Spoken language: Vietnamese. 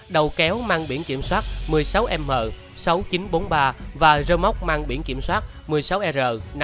đầu kéo mang biển kiểm soát một mươi sáu m sáu nghìn chín trăm bốn mươi ba và rơ móc mang biển kiểm soát một mươi sáu r năm nghìn tám trăm sáu